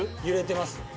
揺れてます